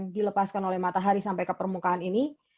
dilepaskan oleh matahari sampai ke permukaan ini